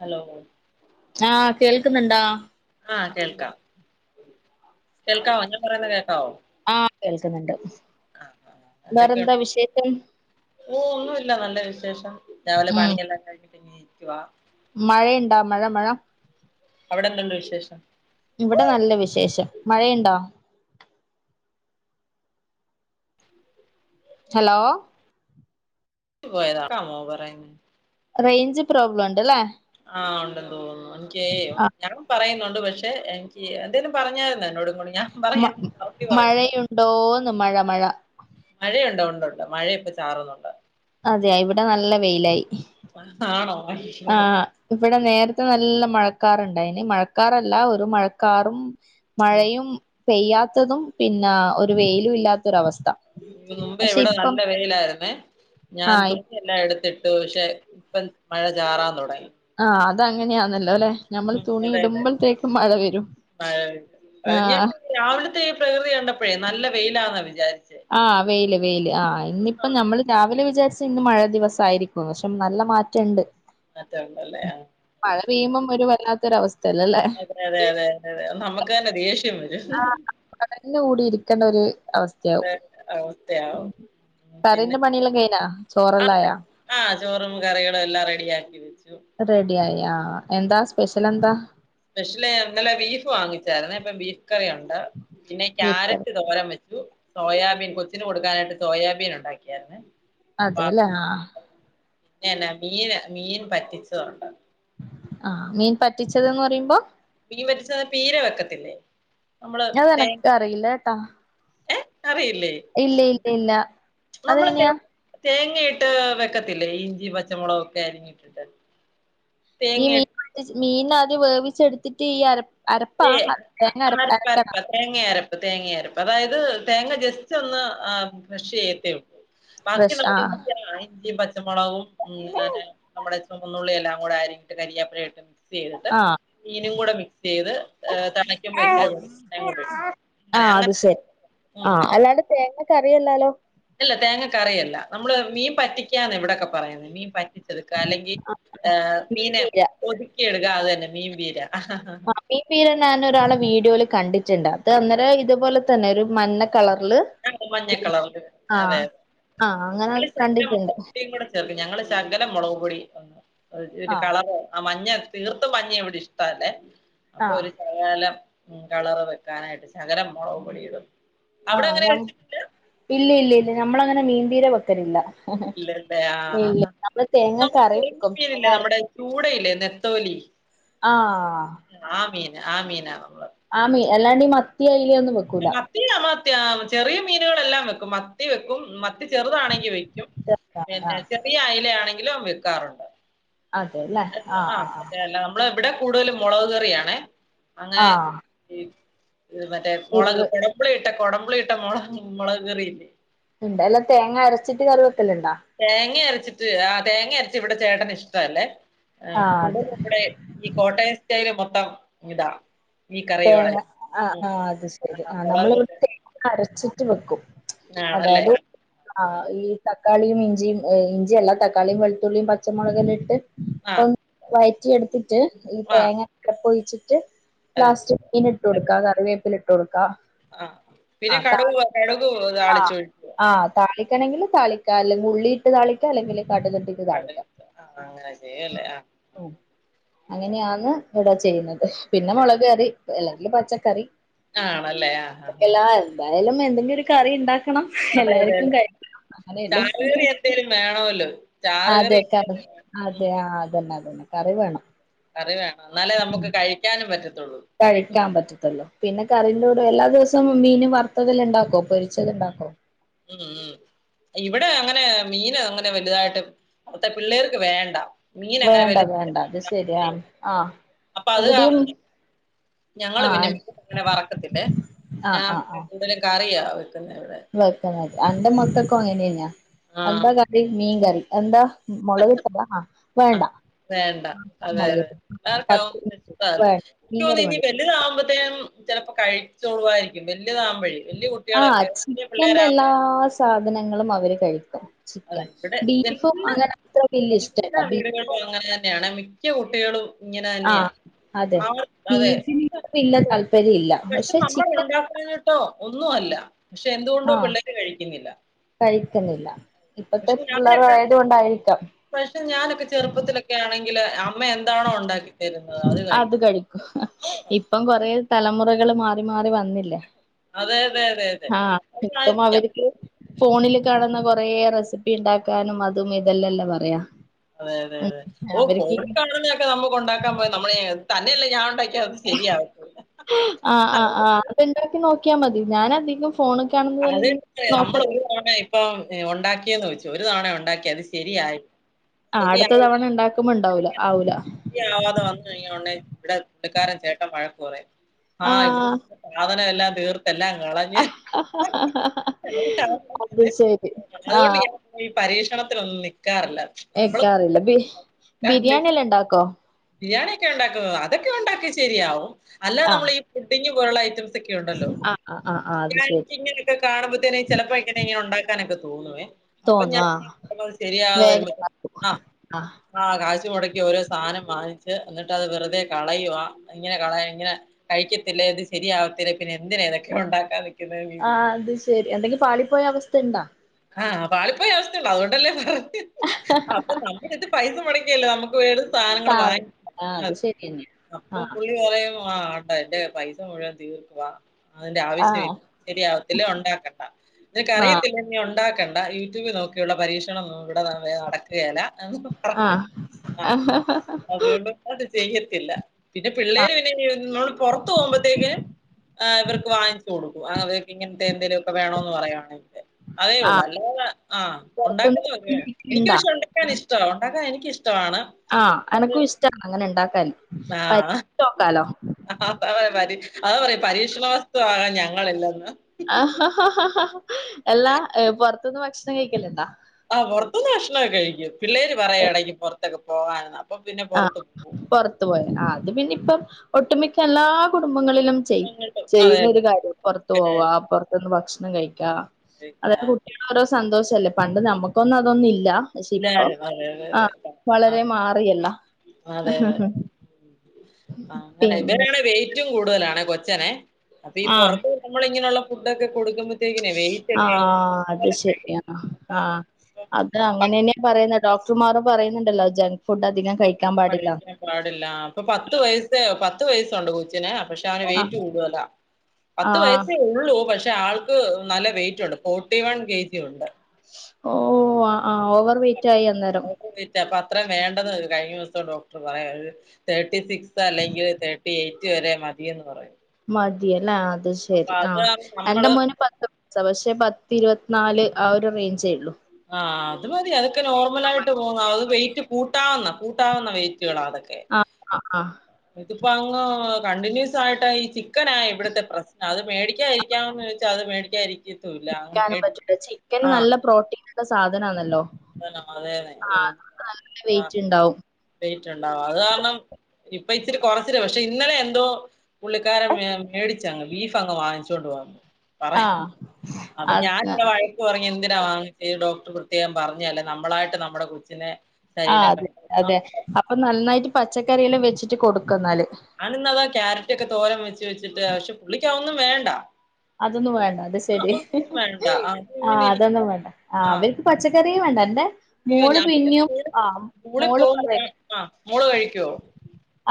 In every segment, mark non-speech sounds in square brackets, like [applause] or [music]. Hello ആഹ് കേൾക്കുന്നുണ്ടാ ആഹ് കേൾക്കാം കേൾക്കാവോ ഞാൻ പറയുന്ന കേക്കാവോ ആഹ് കേൾക്കുന്നുണ്ട് ആഹ് വേറെന്താ വിശേഷം ഓഹ് ഒന്നുല്ല നല്ല വിശേഷം രാവിലെ പണിയെല്ലാം കഴിഞ്ഞിട്ട് ഇങ്ങനെ ഇരിക്കുവാ മഴയിണ്ടാ മഴ മഴ അവിടെന്തുണ്ട് വിശേഷം ഇവിടെ നല്ല വിശേഷം മഴയിണ്ട ഹലോ പോയത കേക്കാമോ പറയുന്നേ റെയ്ഞ്ച് പ്രോബ്ലം ഉണ്ട്ലേ ആഹ് ഉണ്ടെന്ന് തോന്നുന്നു എനിക്കേ ആഹ് ഞാൻ പറയൊന്നുണ്ട് പക്ഷെ എ എന്തേലും പറഞ്ഞായിരുന്നോ എന്നോട് ഇങ്ങോട് ഞ മ മഴയുണ്ടോന്ന് മഴ മഴ മഴയുണ്ട് ഉണ്ടുണ്ട് മഴ ഇപ്പം ചാറുന്നുണ്ട് അതെ ഇവിടെ നല്ല വെയിലായി ആണോ ആഹ് ഇവിടെ നേരത്തെ നല്ല മഴക്കാറ്ണ്ടായിനി മഴക്കാറല്ല ഒരു മഴക്കാറും ഉം മഴയും പെയ്യാത്തതും പിന്നെ ഒരു വെയിലും ഇല്ലാത്തൊരവസ്ഥ മുമ്പേ പക്ഷെ എവിടെ ഇപ്പം നല്ല വെയിലായിരുന്നേ ഞാൻ ആഹ് തുണി എല്ലാം എടുത്തിട്ടു പക്ഷെ ഇപ്പം മഴ ചാറാൻ തുടങ്ങി ആഹ് അത് അങ്ങനെയാന്നല്ലോ അല്ലെ നമ്മള് ഉം തുണി അതെ അതെ ഇടുമ്പോഴത്തേക്ക് മഴ വരും മഴ പെയ്തു. കഴിഞ്ഞിട്ട് ആഹ് രാവിലത്തെ ഈ പ്രകൃതി കണ്ടപ്പോഴേ നല്ല വെയിലാന്നാ വിചാരിച്ചത് ആ വെയിയില് വെയിയില് ആ ഇന്നിപ്പം നമ്മള് രാവിലെ വിചാരിച്ച ഇന്ന് മഴ ദിവസ ആരിക്കും വശം നല്ല മാറ്റണ്ട് മറ്റം ഉണ്ട് അല്ലേ മഴ പെയ്യുമ്പം ഒരു കൊല്ല ത്തൊര അവസ്ഥ അതെ അതെ അതെ അതെ നമുക്ക് തന്നെ ദേഷ്യം വരും ആഹ് ചടഞ്ഞ് കൂടി ഇരിക്കേണ്ട ഒരു അവസ്ഥ അതെ അവസ്ഥയാവും ഉം കറിന്റെ പണിയെല്ലാം കഴിഞ്ഞോ ചോറെല്ലാം ആയോ ആഹ് ചോറും കറികളും എല്ലാം റെഡിയാക്കി വെച്ചു റെഡിയായി എന്താ സ്പെഷ്യൽ എന്താ സ്പെഷ്യല് ഇന്നലെ ബീഫ് വാങ്ങിച്ചായിരുന്നു അപ്പം ബീഫ് കറിയാണ് പിന്നെ ബീഫ് കറി ക്യാരറ്റ് തോരം വെച്ചു സോയാബീൻ കൊച്ചിന് കൊടുക്കാനായിട്ട് സോയാബീൻ ഉണ്ടാക്കിയായിരുന്നു അതെല്ലേ ആഹ് ല്ല മീൻ മീൻ വറ്റിച്ചതുണ്ട് ആഹ് മീൻ പറ്റിച്ചത് ന്ന് പറയുമ്പോ മീൻ വറ്റിച്ച ചീര വെക്കത്തില്ലേ നമ്മള് തേ അതെനക്ക് അറിയില്ല ട്ടാ ഏ അറിയില്ലേ ഇല്ല ഇല്ല ഇല്ല നമ്മള് അതെങ്ങനെയാ തേങ്ങയിട്ട് വെക്കത്തില്ലേ ഇഞ്ചി, പച്ചമുളക് ഒക്കെ അരിഞ്ഞിട്ടിട്ട് ഈ മീൻ തേങ്ങയിട്ട് മീൻ അത് വേവിച്ചെടുത്തിട്ട് ഈ അര അരപ്പാ ഏ തേങ്ങ അര അരപ്പ് അരക്കണോ അരപ്പ് തേങ്ങ അരപ്പ് തേങ്ങ അരപ്പ് അതായത് തേങ്ങ ജസ്റ്റ് ഒന്ന് കൃഷ് ചെയ്യത്തേ ഉള്ളൂ ക്രഷ് ബാക്കിയുള്ള ആ [inaudible] ഇഞ്ചിയും പച്ചമുളകും ഉം അങ്ങനെ നമ്മുടെ ചുവന്നുള്ളി എല്ലാം കൂടെ അരിഞ്ഞിട്ട് കരിയാപ്പിലയിട്ട് മിക്സ് ചെയ്തിട്ട് മീനും കൂടെ മിക്സ് ചെയ്ത് ഏ, തിളയ്ക്കുമ്പോ ഇച്ചിരി വെളിച്ചെണ്ണയും കൂടെ ഇടും അങ്ങനെ ആഹ് അത് അങ്ങനെ ശരി ഉം ആഹ് ഉം അല്ലാണ്ടെ തേങ്ങ കറിയല്ലാലോ അല്ല തേങ്ങക്കറിയല്ല നമ്മള് മീൻ പറ്റിക്കാന്ന് ഇവിടൊക്കെ പറയുന്നത് മീൻ പറ്റ അല്ലെങ്കിൽ മീൻ മീനെ പീര ഒതുക്കി എടുക്കാ അത് തന്നെ മീൻ പീര ആ മീൻ പീര ഞാൻ ഒരാളെ വീഡിയോൽ കണ്ടിട്ടുണ്ട് അത് അന്നേരം ഇതുപോലെ തന്നെ ഒരു മഞ്ഞ കളറില് അതെ പിന്നെ മഞ്ഞക്കളറില് ആ അതെ ആ അങ്ങനെ ഞങ്ങള് കണ്ടിട്ടുണ്ട് [inaudible] ചേർക്കും ഞങ്ങള് ശകലം മുളക് പൊടി വ ആ കളർ ആ മഞ്ഞ തീർത്തും മഞ്ഞ ഇവിടെ ഇഷ്ടല്ലേ ആ അപ്പൊ ഒരു ശകലം കളറ് വെക്കാനായിട്ട് ശകലം മുളക് പൊടിയിടും അവിടെ അങ്ങനെ ആഹ് വെച്ചിട്ടില്ല ഇല്ല ഇല്ല ഇല്ല നമ്മളങ്ങനെ മീൻ പീര വെക്കലില്ല ഇല്ലല്ലേ ആഹ് നമ്മള് തേങ്ങ നമ്മുടെ കറി വെക്കും തേങ്ങ ചെമ്മീനില്ലേ അര നമ്മുടെ ചൂടയില്ലേ നെത്തോലി ആഹ് ആ മീന് ആ മീന നമ്മള് ആ മീൻ അല്ലാണ്ടീ മത്തി അയലൊന്നും വെ മത്തി ആ ചെറിയ മീനുകളെല്ലാം വെക്കും മത്തി വെക്കും മ ത്തി ചെറുതാണെങ്കി വെക്കും ആ പിന്നെ ചെറിയ അയില ആണെങ്കിലും വെക്കാറുണ്ട് അതെല്ലേ [unintelligible] ആ ആ അഹ് ആ മറ്റെ എല്ലാം മ്മളെ ഇവിടെ കൂടുതലും മുളക് കറിയാണേ ആ അങ്ങനെ ഇ മറ്റേ മൊളക് എരിവ് കൊടമ്പുളി ഇട്ട കൊടമ്പിളി ഇട്ട മൊളക് മൊളക് കറില്ലേ ഇണ്ടോ അല്ല തേങ്ങ അരച്ചിട്ട് കറി വെക്കല്ലുണ്ടോ തേങ്ങ അരച്ചിട്ട് ആ തേങ്ങ അരച്ച് ഇവിടെ ചേട്ടന് ഇഷ്ടവല്ലേ ആ അതെ [unintelligible] ഇവിടെ ഈ കോട്ടയം സ്റ്റൈല് മൊത്തം ഇതാ ഈ കറികളെ തേങ്ങ ആഹ് ഉം. ആഹ് അത് ആ, ശെരി ആഹ് നമ്മള മുളക് ഇവിടെ കറി തേങ്ങ അരച്ചിട്ട് വെക്കും ആണല്ലേ അതായത് ആ ഈ തക്കാളിയും ഇഞ്ചിയും ഇഞ്ചി അല്ല തക്കാളിയും വെളുത്തുള്ളിയും പച്ചമുളകും എല്ലാം ഇട്ട് ആ അപ്പൊ വയറ്റി എടുത്തിട്ട് ഈ ആ തേങ്ങ അരപ്പ് ഒഴിച്ചിട്ട് ലാസ്റ്റ് അരച്ചിട്ട് മീൻ ഇട്ട് കൊടുക്കാ കറിവേപ്പില ഇട്ട് കൊടുക്കാ ആഹ് പിന്നെ കടുക് കടുകും താളിച്ച് ഒഴിക്കോ ആഹ് താളിക്കണെങ്കിൽ താളിക്കാ അല്ലെങ്കിൽ ഉള്ളി ഇട്ട് താളിക്ക അല്ലെങ്കിൽ കടുക് ഇട്ട് ടുക് ആഹ് അങ്ങനെ ചെയ്യൂല്ലേ ആഹ് ഉം അങ്ങനെയാണ് ഇവിട ചെയ്യുന്നത് പിന്നെ മുള ക് കറി അല്ലെങ്കിൽ പച്ചക്കറി ആണല്ലേ ആഹ് ആഹ് ആഹ് [unintelligible] എന്തായാലും എന്തെങ്കിലും ഒരു കറി ഉണ്ടാക്കണം അതെ അതെ എല്ലാർക്കും അതെ കറി അങ്ങനെ ചാറുകറി എന്തേലും വേണമല്ലോ ചാറുകറി എന്തേലും വേണം [unintelligible] ഉം അതെ ആ അതന്നെ അതന്നെ കറി വേണം കറിവേണം എന്നാലേ നമുക്ക് കഴിക്കാനും പറ്റത്തുള്ളൂ കഴിക്കാൻ പറ്റത്തൊള്ളൂ പിന്നെ കറിന്റെ കൂടെ എല്ലാ ദിവസവും മീൻ വറുത്തതെല്ലാം ഇണ്ടാക്കോ പൊരിച്ചത്ണ്ടാക്കോ ഉം ഉം ഇവിടെ അങ്ങനെ മീന് അങ്ങനെ വലുതായിട്ട് [unintelligible] പിള്ളേർക്ക് വേണ്ട മീന് അങ്ങനെ വേണ്ട വലു വേണ്ട അത് ശരിയാ [unintelligible] ആ അപ്പത് ഇവിടെയും കാരണം ഞങ്ങള് ആ പിന്നെ മീൻ അങ്ങനെ വറക്കത്തില്ലെ ആ ഞാൻ കൂടുതലും കറിയ വെക്കുന്ന ഇവിടെ വെക്ക എന്റെ ഉം. മക്കൾക്കും അങ്ങനെയെന്നെയാ ആഹ് എന്താ മീൻ കറി എന്താ മുളകിട്ടതാ ആഹ് ആഹ് വേണ്ട അതെ അതെ [unintelligible] ഇഷ്ടല്ല പത്ത് എനിക്കു മീൻ തോന്ന കറി ഇനി മതി വലതാകുമ്പഴത്തേക്കും ചിലപ്പോ കഴിച്ചോളായിരിക്കും വലിയതാവുമ്പഴേ വലിയ കുട്ടി ആഹ് ചിക്കന്റെ എല്ലാ സാധനങ്ങളും അവര് കഴിക്കും അതെ ചിക്കൻ ഇവിടെ ബീഫും അങ്ങനെ അത്ര വലിയ ഇഷ്ടല്ല ബീ ഒക്കെ അങ്ങനെ തന്നെയാണ് മിക്ക കുട്ടികളും ഇങ്ങനെ ആഹ് തന്നെയാ അതെ ആർ അതെ ബീഫ്ന് [unintelligible] താല്പര്യം ഇല്ല പക്ഷെ നമ്മൾ ഉണ്ടാക്കാഞ്ഞിട്ടോ ഒന്നും അല്ല പക്ഷെ എന്തുകൊണ്ടോ ആ പിള്ളേര് കഴിക്കുന്നില്ല കഴിക്കുന്നില്ല ഇപ്പത്തെ പക്ഷെ പിള്ളർ ഞാനൊക്കെ ആയത് കൊണ്ടായിരിക്കാം പക്ഷെ ഞാനൊക്കെ ചെറുപ്പത്തിലൊക്കെ ആണെങ്കില് അമ്മ എന്താണോ ഉണ്ടാക്കി അത് കഴിക്കും കഴിക്കും ഇപ്പം കൊറേ തലമുറകള് മാറി മാറി വന്നില്ലേ അതെ അതെ അതെ അതെ ആഹ് ഇപ്പം അതായിരിക്കാം അവർക്ക് ഫോണില് കാണുന്ന കൊറെ റെസിപ്പി ഉണ്ടാക്കാനും അതും ഇതെല്ലാംല്ലാം പറയാ അതെ അതെ അതെ ഉം ഓഹ് അവര്ക്ക് ഫോണിൽ കാണുന്നതൊക്കെ നമുക്ക് ഉണ്ടാക്കാൻ പോ നമ്മള് തന്നെയല്ലേ ഞാൻണ്ടാക്ക അത് ശരിയാ ആഹ് ആഹ് ആഹ് അത്ണ്ടാക്കി നോക്കിയാൽ മതി ഞാൻ അധികം ഫോണൊക്കെ ആണ് നോക്കല്ല തണ ഇപ്പം ഉണ്ടാക്കിയന്ന് വെച്ചു ഒരു തവണ ഉണ്ടാക്കി അത് ശരിയായി ആഹ് അടുത്ത തവണ ഉണ്ടാക്കുമ്പോ ഉണ്ടാവൂല ആവൂല ആവാതെ വന്നു കഴിഞ്ഞോ ഇവിടെ പു ള്ളക്കാരൻ ചേട്ടൻ വഴക്കു പറയും ആഹ് സാധന എല്ലാ തീർത്തെല്ലാ കള [unintelligible] അത് ശരി അതുകൊണ്ട് ആഹ് ഞാൻ ഈ പരീക്ഷണത്തിനൊന്നും നിക്കാറില്ല എക്കാറില്ല ബിരിയാണി എല്ലാ ഇണ്ടാക്കോ ബിരിയാണിയൊക്കെ ഒണ്ടാക്കു അതൊക്കെ ഉണ്ടാക്കി ശെരിയാവും അല് ആഹ് പുഡിങ് പോലുള്ള ഐറ്റംസ് ഒക്കെ ഉണ്ടല്ലോ ആഹ് ആഹ് ആഹ് ആഹ് അത് ശരി റൈറ്റിങ് ല് കാണുമ്പത്തന്നെ ചെലപ്പോ ഇങ്ങനെ ഇങ്ങനെ ഉണ്ടാക്കാനൊക്കെ തോന്നുവേ അപ്പ തോന്നും ഞാൻ ആഹ് ശരിയാ വേഗം ആഹ് ആഹ് കാശ് മൊടക്കിയ ഓരോ സാനം വാങ്ങിച്ച് എന്നിട്ട് അത് വെറുതെ കളയുവാ ഇങ്ങനെ കള ഇങ്ങനെ കഴിക്കത്തില്ല ഇത് ശരിയാവത്തില്ല പിന്നെ എന്തിനാണ് ഇതൊക്കെ ഉണ്ടാക്കാൻ നിക്ക് ആഹ് അത് ശരി എന്തെങ്കി പാളി പോയ അവസ്ഥ ഇണ്ടാ ആഹ് പാളി പോയ അവസ്ഥ ഒള്ളൂ അതുകൊണ്ടല്ലേ പറഞ്ഞെ അപ്പൊ എന്നിട്ട് പൈസ മൊടക്കിയല്ലൊ നമക്ക്‌ വെ സാധനങ്ങൾ സാ ആഹ് അത് വാങ്ങികണത് ശരിയെന്നെ അപ്പ ആഹ് പുള്ളി പറയുവ [unintelligible] എന്റെ പൈസ മുഴുവൻ തീർക്കുവ അതിന്റെ ആഹ് ആവശ്യമില്ല ശരിയാവത്തില്ല ഉണ്ടാക്കണ്ട ആഹ് നിനക്കറിയത്തില്ലെ ഇനി ഉണ്ടാക്കണ്ട യൂട്യൂബിൽ നോക്കിയുള്ള പരീക്ഷണ ഒന്നും ഇവിടെ വെ നടക് ക്കേല ക്കെ പറഞ്ഞു ആഹ് ആഹ് അതുകൊണ്ട് അതോണ്ട് ചെയ്യത്തില്ല പിന്നെ പിള്ളേര് ആഹ് പിന്ന നമ്മൾ പുറത്തു പോകുമ്പോത്തേക്ക് ഇവർക്ക് വാങ്ങിച്ച് കൊടുക്കും ഇങ്ങത്തെ എന്തേലു ഒക്കെ വേണോ ണു പറയാണെങ്കെ അതേ ഒള്ളൂ ആഹ് അല്ലാതെ ആഹ് പൊറത്ത്ന്ന് ഒണ്ടാക്കുന്ന ഒക്കെ എനിക്ക് ഇണ്ടാ പക്ഷെ ഒണ്ട ക്കാൻ ഇഷ്ടാ ഒണ്ടാക്കാൻ എനിക്കിഷ്ടവാണ് ആഹ് അനക്കും ഇഷ്ടാണ് അങ്ങനെ ഇണ്ടാക്കാൻ പരീക്ഷിച്ച് നോക്കാലോ ആഹ് അ പ അത് പറയും പരീക്ഷണ വസ്തു ആകാൻ ഞങ്ങളില്ലന്ന് എല്ല പൊറത്തന്ന് ഭക്ഷണം കഴിക്കല്ണ്ടാ ആഹ് പൊറത്തുന്ന് ഭക്ഷണോക്കെ കഴിക്കും പിള്ളേര് പറയും എടക്ക് പുറത്തൊക്കെ പോകാന്ന് ആഹ് പൊറത്തു പോയെ അത് പിന്നെ ഇപ്പം ഒട്ടുമിക്ക എല്ലാ കുടുംബങ്ങളിലും ചെയ് എങ്ങോട്ട് അതെ ചെയ്യുന്ന ഒരു അതെ കാര്യ പൊറത്ത് പോവാ പൊറത്തൊന്ന് ഭക്ഷണം കഴിക്കാ അതൊക്കെ കുട്ടിയാളെ എല്ലാരും ഓരോ സന്തോഷല്ലേ പണ്ട് നമ്മുക്കൊന്നും അതൊന്നില്ല പക്ഷെ ഇപ്പം അതെ അതെ അതെ. ആഹ് വളരെ മാറിയല്ല അതെ അതെ ആഹ് അങ്ങനെ പിന്നെ ഇവരാണ് വയ് വെയിറ്റും കൂടുതലാണ് കൊച്ചനെ അപ്പ ഈ ആഹ് പൊറത്തൂന്ന് നമ്മള് ഇങ്ങനെയുള്ള ഫുഡ് ഒക്കെ കൊടുക്കുമ്പ ആഹ് അത് ശരിയാ അപ്പൊ അങ്ങനെ ആഹ് അത് അങ്ങനെയന്നെയാ പറയ്ന്നെ ഡോക്ടർമാരും പറയുന്നുണ്ടല്ലോ ജങ്ക് ഫുഡ് അധികം കഴിക്കാൻ പാടില്ല കഴിക്കാൻ പാടില്ല ആ ഇപ്പൊ പത്ത് വയസ്സെ പത്ത് വയസ്സുണ്ട് കൊച്ചിന് പക്ഷെ അവന് ആഹ് വെയിറ്റ് കൂടുതല പത്ത് ആഹ് വയസ്സേ ഒള്ളു ഒള്ളൂ പക്ഷെ ആൾക്ക് നല്ല വെയിറ്റുണ്ട് ഫോർട്ടി വൺ കെ ജിയുണ്ട് ഓഹ് ആഹ് ആ ഓവർ വെയ്റ്റായി അന്നേരം ഓവർ വെയ്റ്റ അപ്പ അത്രയും വേണ്ടന്ന് കഴിഞ്ഞ ദിവസം ഡോക്ടർ പറയ ഒരു തേർട്ടി സിക്സ് അല്ലെങ്കില് തേർട്ടി എയ്റ്റ് വരെ മതിയെന്ന് പറയുന്നു മതി അല്ലേ? അത് ശരി ആ എന്റെ നമ്മള് മോന് പത്ത് വയസ്സാ പക്ഷെ പത്തി ഇരുപത്തിനാല് ആ ഒരു റെയ്ഞ്ചേയൊള്ളൂ ആഹ് അത് മതി അതൊക്കെ നോർമലായിട്ട് പോവ്ന്ന അത് വെയിറ്റ് കൂട്ടാവെന്ന കൂ ട്ടാവുന്ന വെയിറ്റുകള അതൊക്കെ ആഹ് ആഹ് ആഹ് ഇതിപ്പോ അങ്ങ് കണ്ടിന്യൂസായിട്ട് ഈ ചിക്കനാ ഇവിടത്തെ പ്രശ്നം അത് മേടിക്കാതിരിക്കാം എന്ന് വെച്ച അത് മേടിക്കായിരിക്കത്തുവില്ല ചിക്കൻ നല്ല പ്രോട്ടീന്ള്ള സാധനാണല്ലോ അതന്നെ അതേന്നെ ആഹ് അത് നല്ല വെയ്റ്റ് ഇണ്ടാവും വെയിറ്റുണ്ടാവും അത് കാരണം ഇപ്പ ഇച്ചിരി കൊറച്ചിണ് പക്ഷെ ഇന്നലെ എന്തോ പുള്ളിക്കാരൻ മെ മേടിച്ചങ് ബീഫങ്ങ് വാങ്ങിച്ചോണ്ട് വന്ന് പറയ ആഹ് അപ്പൊ ആഹ് ഞാൻ ഇവടെ വയ വയക്ക് പറഞ്ഞു എന്തിനാ വാങ്ങിച്ചെ ച ഡോക്റ്റർ പ്രത്യോകം പറഞ്ഞതല്ലേ നമ്മളായിട്ട് നമ്മുടെ കൊച്ചിനെ ആഹ് ശരീരം അതെ കണ്ടു അതെ അപ്പൊ നന്നായിട്ട് പച്ചക്കറിയെല്ലാം വെച്ചിട്ട് കൊടുക്കെന്നാല് ഞാന് ഇന്നതാ ക്യാരറ്റ് ഒക്കെ തോരം വെച്ച് വെച്ചിട്ട് പക്ഷെ പുള്ളിക്ക് അതൊന്നും വേണ്ട അതൊന്നും വേണ്ട അത് ആ ശെരി ഒന്നും വേണ്ട ആ അത് ആഹ് ഇങ്ങനെ അതൊന്നും ഇരിക്ക വേണ്ട ആ ആഹ് പച്ചക്കറിയെ വേണ്ട എന്റെ അയ്യോ മോള് ഞാൻ പിന്നെ പിന്നിയും ആ മോള് പറയും ആഹ് മോള് കഴിക്കുവോ?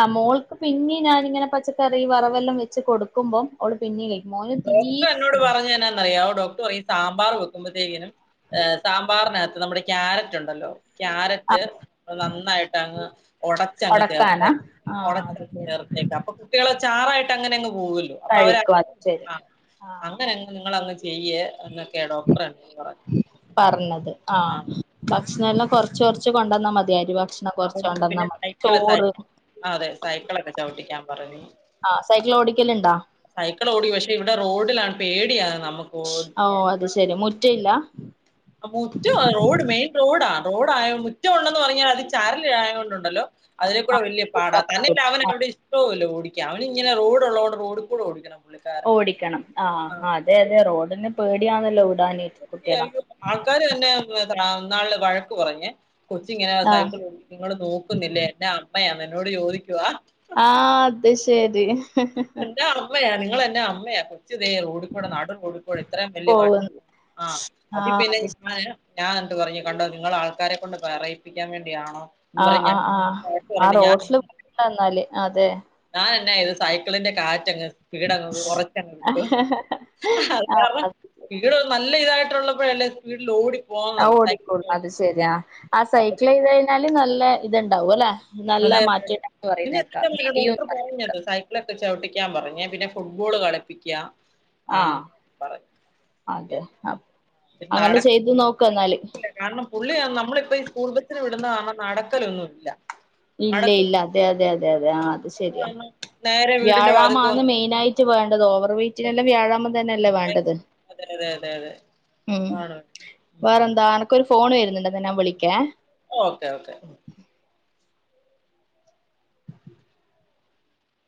ആഹ് മോൾക്ക് പിന്നെയും ഞാനിങ്ങനെ പച്ചക്കറി വറവെല്ലാം വെച്ച് കൊടുക്കുമ്പം ഓള് പിന്നെയും കഴിക്കും മോന് തീ ഡോക്ടർ എന്നോട് പറഞ്ഞ എന്നാന്ന് അറിയാവോ ഡോക്ടർ പറയു സാമ്പാർ വെക്കുമ്പഴത്തേക്കിനും ഏഹ് സാമ്പാറിനകത്ത് നമ്മുടെ ക്യാരറ്റ് ഉണ്ടല്ലോ? ക്യാരറ്റ് നന്നായിട്ടങ്ങ് ഒടച്ചങ്ങ് ഒടക്കാനാ ചേർത്തേക്ക് ആഹ് അത് ഒടച്ചങ്ങ് ശരി ചേർത്തേക്കാ അപ്പൊ കുട്ടികളെ ചാറായിട്ട് അങ്ങനെ അങ്ങ് പോകുവല്ലോ കഴിക്കും അ ആഹ് അങ്ങനങ്ങ് നിങ്ങളങ്ങ് ചെ ചെയ്യ എന്നൊക്കെ ഡോക്റ്റർ എന്നോട് പറഞ്ഞെ ആഹ് ഭക്ഷണവെല്ലാം കൊറച്ച് കൊറച്ച് കൊണ്ട് വന്നാ മതി അരി ഭക്ഷണം കൊറച്ച് അതുകൊണ്ട് കൊണ്ടന്നാ പിന്നെ മതി സൈക്കിള് ചോറ് സൈക്കിൾ അതെ സൈക്കിളൊക്കെ ചവിട്ടിക്കാൻ പറഞ്ഞു ആഹ് സൈക്കിൾ ഓടിക്കലുണ്ടോ? സൈക്കിൾ ഓടിക്കും പക്ഷെ ഇവിടെ റോഡിലാണ് പേടിയാണ് നമുക്ക് ഓഹ് ഓടിപ്പിക്കാൻ അത് ശരി മുറ്റയില്ല? മുറ്റം റോഡ് മെയിൻ റോഡാ റോഡായ മുറ്റം ഒണ്ടെന്ന് പറഞ്ഞാലും അത് ചരല് ആയോണ്ട് ഉണ്ടല്ലോ അതിലെ ക്കൂടെ വലിയ പാടാ തന്നെയല്ല ആഹ് അവനവിടെ ഇഷ്ടവുവല്ല ഓടിക്കൻ അവനിങ്ങനെ റോഡ് ഉള്ളോണ്ട് റോഡി കൂടെ ഓടിക്കണം പുള്ളിക്കാരന് ഓടിക്കണം ആഹ് ആ. അതെ അതെ റോഡിനെ പേടിയാന്നല്ലോ വിടാന് കുട്ടികളെ അയ്യോ! ആൾക്കാര് തന്നെ ഇന്നാളില്ലെ വഴക്ക് പറഞ്ഞെ കൊച്ചിങ്ങനെ ആഹ് സൈക്കിള് ഓടി നിങ്ങള് നോക്കുന്നില്ലേ? എന്നാ അമ്മയാന്ന് എന്നോട് ചോദിക്കുവാ ആഹ് അത് ശരി എന്റെ അമ്മയാ നിങ്ങള എന്റെ അമ്മയാക്കും ച്ച് ദെ റോടിക്കോട നട് ടിക്കോടെ ഇത്രയും വലിയ വണ്ടി പോകുന്നു ആ അതി ആഹ് പിന്നെ അത് ഞങ്ങള് ഞാൻ എന്നിട്ട് പറഞ്ഞു കണ്ടോ നിങ്ങൾ ആൾക്കാരെ കൊണ്ട് പറയിപ്പിക്കാൻ വേണ്ടിയാണോ എന്ന് ആഹ് പറഞ്ഞ് ഞാൻ ആഹ് ആഹ് വഴക്ക് ആ പറഞ്ഞു റോഡി സ്‌ല് വന്നാല് അതെ ഞാനന്നെ ഇത് സൈക്കിളിന്റെ കാറ്റങ്ങ് സ്പീടങ് കുറച്ചങ്ങട്ട് ഇട്ടു ആൾക്കാരെ വീട് നല്ല ഇതായിട്ടുള്ളപ്പോഴ അല്ലേ സ്പീഡിൽ ഓടി ആ പോകുന്നത് ഓടിക്കോളൂ സൈക്കിൾ അത് ശെരിയാ ആ അപ്പൊ സൈക്കിൾ ചെയ്ത് കഴിഞ്ഞാല് നല്ല ഇത്ണ്ടാവും അല്ലെ നല്ല അതെ മാറ്റ എന്ന് പറയുന്നേക്കാ മെലിയും എന്ന് പറ ന് രണ്ടോസായി ലൊക്കെ ചവിട്ടിക്കാൻ പറഞ്ഞ പിന്നെ ഫുട്ബോൾ കളിപ്പിക്കാ ആഹ് അതെ പറഞ്ഞു പിന്നെ അങ്ങനെ നടക്ക ചെയ്തു നോക്കാന്നാല് നടക്കത്തില്ല കാരണം പുള്ളി നമ്മളിപ്പ ഈ സ്കൂൾ ബസ്സിന് വിടുന്ന കാരണം നടക്കലൊന്നുല്ല ഇല്ല ഇല്ല അതെ അതെ അതെ അതെ ആ അത് ശരിയാ കാരണം നേരെ വീടിന്റെ വാതുക്ക വ്യാഴാമാന്ന് വന്ന് മെയിന ആയിട്ട് റ്റ് വേണ്ടത് ഓവർവയിറ്റ് ഇതിതെന്താ വ്യാഴാം തന്നെല്ലേ വേണ്ടത് അതെ അതെ അതെ അതെ ഉം ആണ് വേറെന്താ അനക്കൊരു ഫോൺ വരുന്നുണ്ട ന്ന ഞാൻ വിളിക്കെ ഓക്കെ ഓക്കെ